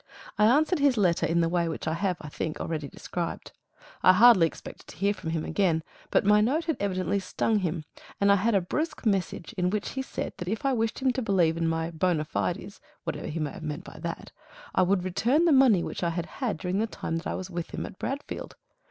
I answered his letter in the way which I have, I think, already described. I hardly expected to hear from him again; but my note had evidently stung him, and I had a brusque message in which he said that if I wished him to believe in my "bona fides" (whatever he may have meant by that), I would return the money which I had had during the time that I was with him at Bradfield.